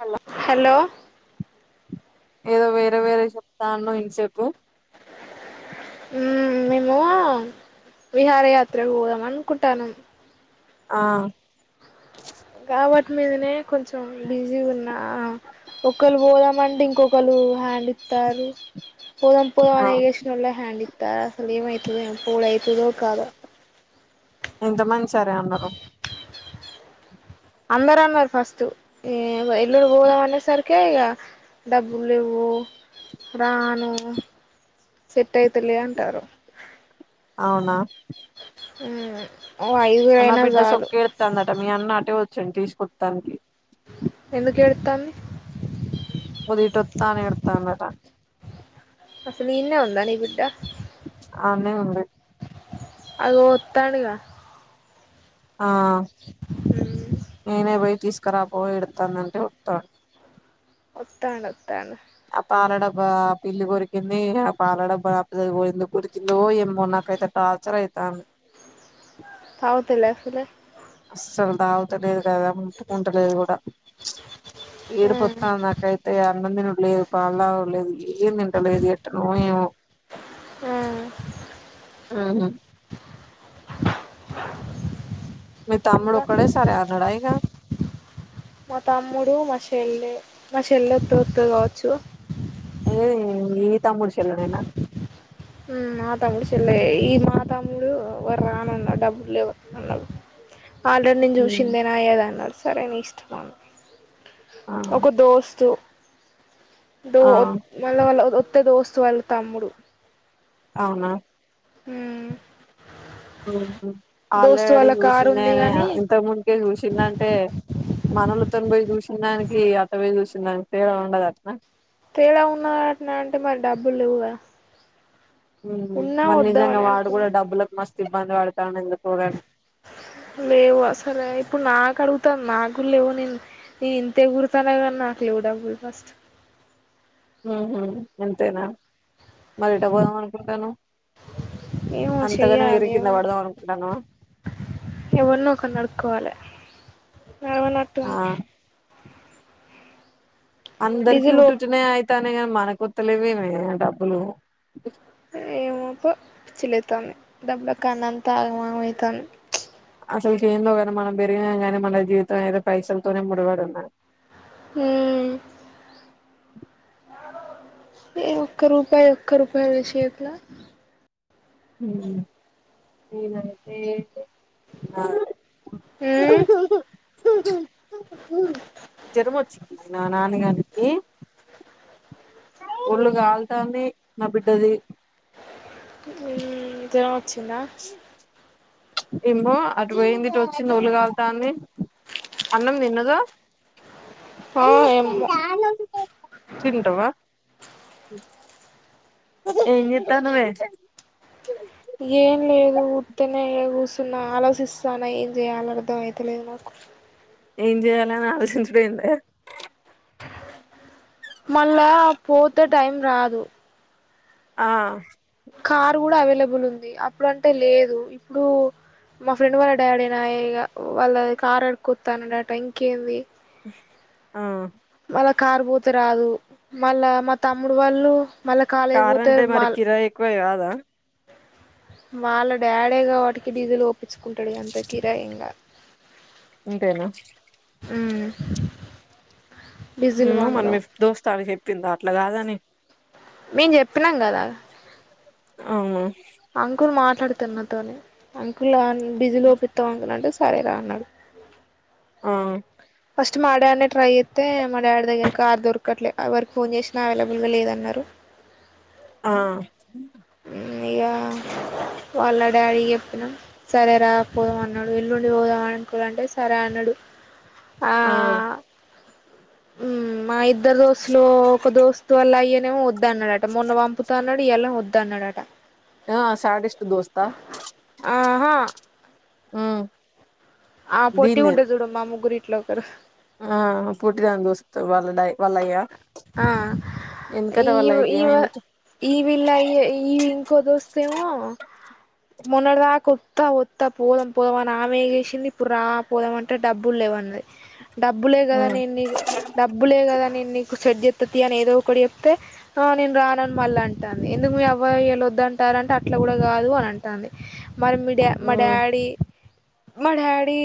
Hello hello ఏదో వేరే వేరే చెప్తాన్నావ్ ఇంతసేపు ఉ మేము విహారయాత్రకు పోదాం అనుకుంటాన్నాం ఆ కా వాటి మీదనే కొంచెం బిజీ ఉన్నా ఒకరు పోదాం మండి ఇంకొకలు హ్యాండ్ ఇత్తాల్లు పోదాం పోదాం ఆ అని ఎగేసి నొల్లే హ్యాండ్ ఇ తరాసు అసలు ఏం అయితదో ఏమో పూలు అయితదో కాదో ఎంత మంది సరే అన్నారు అందరు అన్నరు ఫస్ట్ ఏ ఎల్లుండి పోదాం అనే సరికే ఇగ డబ్బులు లెవ్వు రాను సెట్ అయితలే అంటారు అవునా హ్మ్ నా బిడ్డ సొక్కే ఎడుతాందట మీ అన్న అటే ఒ చ్చిండు తీసుకొత్తానికి ఎందుకు ఏడుత్తాంది ముందు ఇటు ఒత్తానే ఎడుత్తందట అసల్ ఇన్నే ఉందా నీ బిడ్డ అన్నే ఉంది అగ వత్తండుగా ఆ నేనే పోయి తీసుకురాపో ఎడతాందంటే వత్తండు ఒత్తండు ఒత్తండు ఆ పాలడబ్బా పిల్లి కొరికింది ఆ పాలడబ్బా ఎందుకు కొరికిందో ఏమన్నా నాకైతే టార్చర్ అయితాంది తగతాలే అసలే అస్సలు తాగుతలేదు కదా ముట్టుకుంటలేదు కూడా ఆ ఏడుపోత్తాంది నాకైతే ఈగ అన్నం తినుడు లేదు పాలు తాగుడు లేదు ఏం తింటా లేదు ఎట్ట నోయో ఆ ఊహూ మీ తమ్ముడు ఇంకా ఒక్కడే సరే అన్నాడా ఇగ మా తమ్ముడు మా శె చెల్లె మా చెల్లోత్తే వత్తది కావచ్చు ము ఈ తమ్ముూడి చేల్లనేనా మాతమ్ముడు చెల్లె ఈ మాతమ్ముడు వడ్ రానన్నాడు డబ్బులు లేవ్ అన్నాడు [inaudible] ఆల్రెడీ నేను చూసిందేనా ఏదన్నారు సరే నీ ఇష్టమను ఆ ఒక దోస్తు దో ఆ మళ్ళ వాళ్ళ ఒత్తే దోస్తు వాళ్ళ తమ్ముడు అవునా ఊ ఆల్రెడి వాళ్ళ కారు ఉంది చూసిందేనే గాని ఇంత ముందుకే చూసిందంటే మనోళ్లతోటి పోయి చూసిన దానికి అట్ట పోయి చూసిన దానికి తేడా ఉండదాట్న తేడా ఉన్నటన అంటే మరి డబ్బులు లెవ్ గా మరి నిజంగా వాడు కూడా అనుకున్నా డబ్బులకు మస్తు ఇబ్బంది పడతాండు ఎందుకో గాని లేవు అసలే ఇప్పుడు నాకు అడుగుతాను నాకు లేవు నేను నీ ఇంతేగుర్తానే కన్నా లెవ్ డబ్బుల్ ఫస్ట్ [inaudible] ఉహు అంతేనా మరెట్టాపోదాం అనుకుంటానవ్ ఏమో అంతగానే చెయ్యాలి ఎగిరి కింద పడదాం అనుకుంటన్నా ఎవర్నో ఒక్కల్ని అడుక్కోవాలి ఆ అవునట్టుంది అందరికి డీజిల్ ఉట్టుటినే అయితన్నాయి కానీ మనకొత్తలేవ్వేమే డబ్బులు ఏమోపో పిచ్చిలేత్తంది డబ్బు లేక ఆగమాగాం అయితంది అసలు కే ఏందో కానీ మనం పెరిగినం మన జీవితం అయితే పైసలతోనే ముడిపడి ఉంది మ్మ్ హ్హ్ ఒక్క రూపాయి చేతులా లేకపోతే [inaudible] జ్వరం వచ్చిందా నాని గానికి ఒళ్ళు కాల్తాంది నా బిడ్డది మ్మ్ జ్వరం వచ్చిందా ప్చ్ ఏమ్మో అటు పోయింది ఇటు వచ్చింది ఒళ్ళు కాలుతంది అన్నం తిన్నదో ఆ ఏమో తింటావా ఏం చెత్తన్నవే ఏం లేదు ఉత్తిగానే కూర్చుని ఆలోచిస్తున్న ఏం చెయాలో అర్థం అయితలేదు నాకు ఏం చేయాలని ఆలోచించడం ఏందే మళ్ళా పోతే టైం రాదు ఆ కారు కూడా అవాలబుల్ ఉంది అప్పుడు అంటే లేదు ఇప్పుడు మా ఫ్రెండ్ వాళ్ళ డాడే నాయె ఇగ వాళ్ళ కారు అడుక్కత్తనన్నడట ఇంకేంది ఆ మల్లా కారుపోతే రాదు మళ్ళా మా తమ్ముడు వాళ్ళు మళ్ళా కాలేజ్ పోతే కారంటే మరి వాళ్ కిరాయి ఎక్కువ కాదా వాళ్ళ డాడే కాబట్టి డీజిల్ పోపించుకుంటాడు ఇగ కిరాయి ఏం కాదు అంతేనా మ్మ్ హ్ ఎమ్మోమీ దోస్తు చెప్పిందా అట్ల కాదని మేం చెప్పినాం కదా అవునా అంకుల్ మాట్లాడుతరు నాతోని అంకుల్ డిజిల్ పొపిత్తావా అంకుల్ అంటే సరేరా అన్నారు ఆ ఫస్ట్ మా డాడినే ట్రై చేత్తే మా డాడీ దగ్గర కారు దొరకట్లేదు ఎవరికి ఫోన్ చేసినా అవైలబుల్గా లేదన్నారు ఆ ఇగా వాళ్ళ డాడీకి చెప్పినం సరే రా పోదాం అన్నాడు ఎల్లుండిపోదాం అంకుల్ అంటే సరే అన్నాడు ఆడు ఆ మా ఇద్దరు దోస్తులు ఒక దోస్తు వాళ్ళ అయ్యనేమో వద్దు వద్దు అన్నాడట మొన్న పంపుత అన్నాడు ఇయ్యల వద్దు అన్నాడట ఆ శాడిస్ట్ దోస్తా ఆహా మ్మ్ ఆ పొట్టి ఉంటది చూడు మా ముగ్గిరిట్లో ఒకరు ఆ పొట్టి దాని దోస్తు వాళ్ళ అయ్యా ఆ ఈ ఏమైందట పొట్టమా వాళ్ళ అయ్యా ఇంకో దోస్తేమో మొన్నటి దాక వత్తా వత్తా పోదం పోదమని ఆమె చేేసింది ఇప్పుడు రా పోదామంటే డబ్బులు లేవు అన్నది డబ్బులే కదా ఉమ్ నే డబ్బులే కదా నేను షడ్ ఎతుతి అని ఏదో ఒక చెప్తే నేను రానను మళ్ళీ అంటాను ఎందుకు మీ అబ్బాయి వెల వద్ద అంట అట్లా కూడా కాదు అని అంటుంది మరి మీ మా ఉమ్ డాడీ మా డాడీ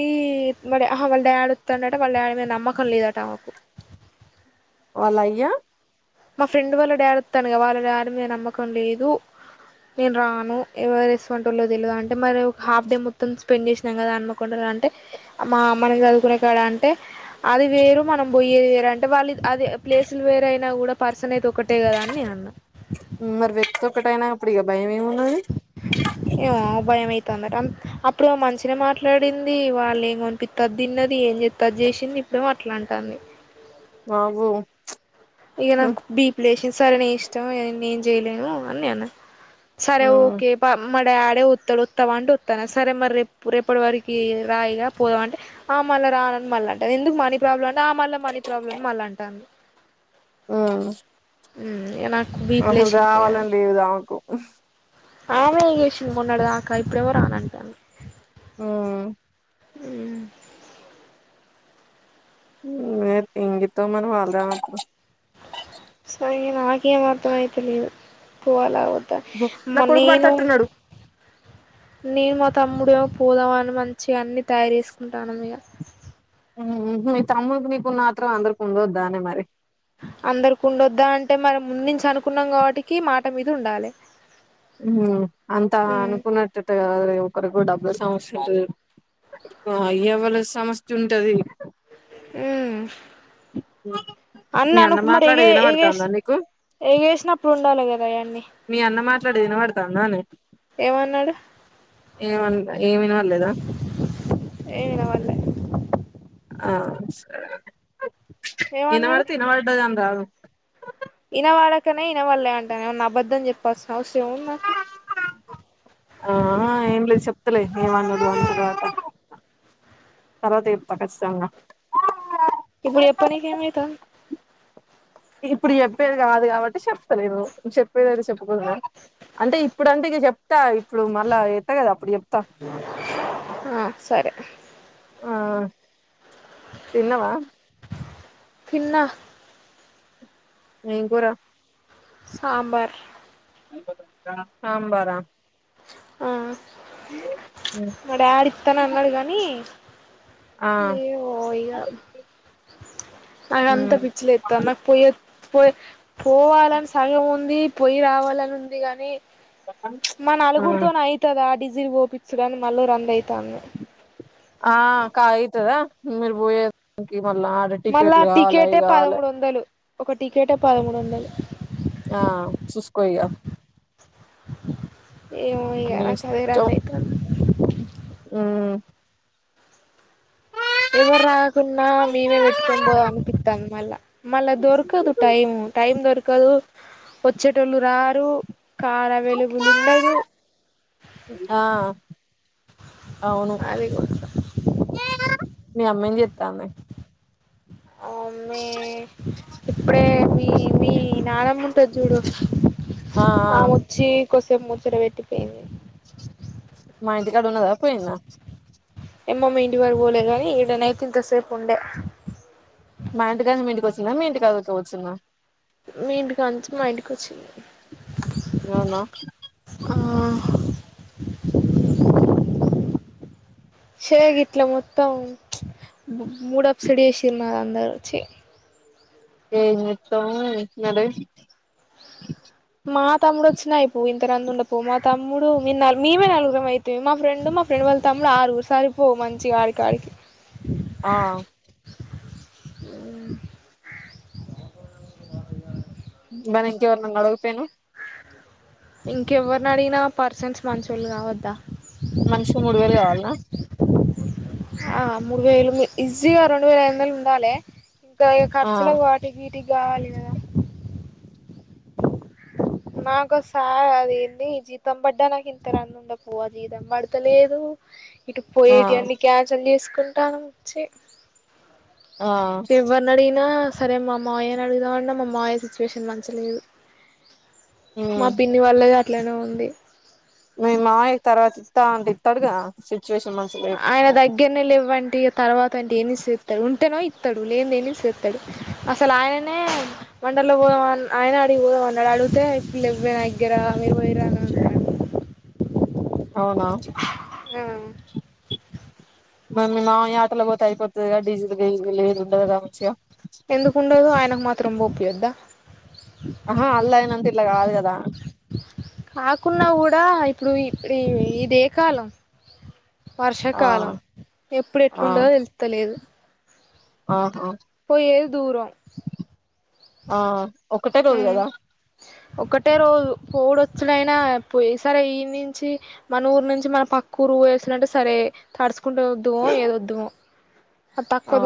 వాళ్ళ డాడీ వస్తాన్నట వాళ్ళ డాడీ మీద నమ్మకం లేదట మాకు పలయ్యా మా ఫ్రెండ్ వాళ్ళు డాడీ ఒట్టాడ్ గద వాళ్ళడాడీ మీద నమ్మకం లేదు నేను రాను ఎవై రెస్రంట్ వాలో తెలీదు అంటే మరి ఒక హాఫ్ డే మొత్తం స్పెండ్ చేసి కదా అన్మకొండలు అంటే మా అమని చదువుకునే కాడ అంటే అది వేరు మనం పోయ్యేది అంటే వాళ్ళు అదే ప్లేసులు వేరైనా కూడా పర్సన్ అయితే ఒకటే కదా అని నేను అన్నా ఇట్టానా అప్పడిక భయంమే ఏమో బయమయితాధి అప్పుడు మంచినే మాట్లాడింది వాళ్ళ ఏంనిపిస్తా తిన్నది ఏంది చేస్తే అధి చెసింధి ఇప్పుడ అట్లాంటుంది అవుో ఇక నాకు బీపు లేసినంది సరే నే ఇష్టం ఇ ఏం చేయలేను అని అన్న సరే ఉమ్ ఓకే ప మ డాడి త్తడు వత్తావ అంటే వత్తాను సరే మరి రేపు రేపుటి వరకి రాయిగా పోదా అంటే మళ్ళీ రాన మరి మళ్ అంటంది ఎందుకు మనీ ప్రాబ్లం అంట ఆ మళ్ళీ మనీ ప్రాబ్లం మళ్ళీ అంటుంది ఆ ఉమ్ ఇగా నాకు బీపి అసలు లేశింది ఇగ రావాలని లేవుదామకు ఆమె చేషంది మొన్నాడుదాకా ఇప్పుడేవో రానంటాను ఆ ఉ ఇగితో మన వాళ్ళదాం అట్ సరిగే నాకే మర్థంమైతలేదు పోవాల వధ నా మ కొడుకు నీను పడతట్టున్నాడు నీను మా తమ్ముడ పోదాం అని మంచిగా అన్ని తయారు చేసుకుంటాను ఇక నీ తమ్ముకి నీకు మాత్రం అందరికి ఉండొద్దానే మరి అందరికి ఉండొద్దా అంటే మన ముందుంచి అనుకున్నాం కాబట్టికి మాట మీద ఉండాలి అంతా అనుకున్నట్టుట ఒకరు కూడా డబ్బ సమస్య ఉంటంది ఎ వళ సమస్య ఉంటది ఉమ్ ఆ అన్నా అనుకుమార్ [unintelligible] ఏగసినప్పుడు ఉండాలి కదా అవన్నీ మీ అన్న మాట్లాడేది వినబడతాందానే ఏమన్నాడు ఏమ ఏమినవాలలేదా ఎమ్ వినపడ్లీ ఆ ఇన ఏమన్నాడు మరతే ఇనవరటద అందగ ఇనవాడకనే ఇనవాడలేమంటేనే అబద్దం చెప్పాల్సినా అవసరం ఏముంది నాకు ఆ ఏం లేదు చెప్తలే ఏమన్నా అ తర్వాత తర్వాత [unintelligible] ఇప్పుడు చెప్పానిక [unintelligible] ఇప్పుడు చెప్పేది కాదు కాబట్టి చెస్తలేదు చెప్పేదిని చెప్పుకుదా అంటే ఇప్పుడు అంటే ఇక చెప్తా ఇప్పుడు మళ్ళా ఎత్త కదా అప్పుడు చెప్ ఆ సరే ఆ తిన్నవా తిన్న ఇంకోరా సాబర్ సాంబారా ఆ ఏ మా డాడ ఇస్తాను అన్నాడు కాగానీ ఆ ఏ ఓ ఇ్య నా అంత ఉమ్ పిచ్చలే ఎత్త నాకు పోయి పోయి పోవాలని సగం ఉంది పోయి రావాలని ఉంది కాగాని మ నలుగురితోనే అవుతదా ఆ డిజి పోఓపించడాని మళ్ళు రంద అవుతాను ఆ కా అవుతుదా మీరు పోయే మళ్ళా టికెటే పదమూడు వందలు ఒక టికెటే పదమూడు వందలు ఆ చస్కుయ్యా ఏమో ఇగ నాకు అదే రందయితాంది ో ఎవరు రాకుంన్నా మేవే పెట్టుకొని పోం అనిపిస్తుంది మళ్ళా మళ్ళా దొరకదు టైం టైం దొరకదు వచ్చేటోళ్ళు రారు కార్ అవైలబుల్ ఉండదు ఆ అవును అది మీ అమ్మది చెత్తాన్నా అమీ ఇప్పుడే మీ మీ నానమ్మంటది చూడు ఆ ముచ్చి కోసే ముచ్చుర పెటి మాైంటి కడు ఉన్నదా పోయినా ఎమ్మమంటిడి వారు పోలేరు కానీ ఇక్కడ నైతింతసేపు ఉండే మా ఇంటికానీ మీ ఇంటికి వచ్చిందా మీ ఇంటికాదు కూ వచ్చుందా మీ ఇంటికి అంచి మా ఇంటికి వచ్చి అవునా ఆ సయ గట్లా మొత్త మూడప్ సడిశరు నా అందచ్చి ఏతడ మా తమ్ముడు వచ్చినా అయి పో ఇంత రందు ఉండ పో మా తమ్ముడు మమే నలుగురురం అవుతుయి మా ఫ్రెండ్ మా ఫ్రెండ్ వెళ్తాము ఆరుగురు సారి పోవు మంచిగా ఆడికి ఆడికి ఆ [inaudible] మనంకవర్ నం అడగుపేను ఇంకెవరిని అడిగినా పర్సన్ట్స్ మషుళ్లు కావద్దా ఆ ఆ మూడు వేలు ఈజీగా రెండు వేలయింద ఉండాల ఇంకా ఆ ఖర్చు వాటి వీటికి గాలి నాకుసారి అదేంది జీతం పడ్డా నాకు ఇంత రం ఉండ పు్ జీతం పడతలేదు ఇటు ఆ పోయేటివన్ని క్యాన్సల్ చేసుకుంటానుచ్చ ఆ ఎవనడిిన సరే మామ్ మాయేని అడుగుదామన్న మామ్ మామయ్య సిచ్యువేషన్ మంచిలేదు మా మ్మ్ పిన్ని వాళ్ళ అట్లనే ఉంది న మా తర్వాత ఇస్తా అంట ఇస్తాడుగా ఆయన దగ్గరనే లేవ్వంట తర్వాత అంటే ఏమి చేస్తాడు ఉంటేనో ఇస్తాడు లేని ఏమి చేస్తాడు అసలు ఆయన మండల్లో పోదాం ఆయన అడిగిపోదామ అన్నాడు అడిగితే పల్లయిన దగ్గర ఏరా అవునా [inaudible] మమ్ మామ ఆటలో పోతే అయిపోతుది క డీజిల్ ఏది ఉండదు మంచిగా ఎందుకుండవ్ ఆయనకు మాత్రం పోపీయొద్ద. ఆహా అలైనంత ఇట్ల కాదు కదా. కాకున్నా కూడా, ఇప్పుడు ఇప్డి ఇదే కాలం. ఆ వర్షాకాలం ఎప్పుడు ఆ ఎట్లుంటదో తేలుత్తలేదు. ఆహా పోయేది దూరం ఆ ఒక్కటే రోజు కదా! ఒకటే రోజు పోవుడోచుడైన పోయి ఈ సరే, ఈ నుంచి మన ఊరు నుంచి మన పక్కు. నువ్వు పోయేస్తానంటే సరే తడుచుకుంట వద్దుమో ఏదోద్దుమో. ఆ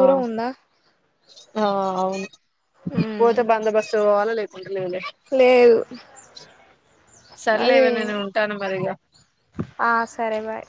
అవును పోతే బందోబస్తు పోవాలే లేద్. కుంటలేదులే లేదు అదే సర్లేవే నేను ఉంటాను మరిగా. ఆ సరే బాయ్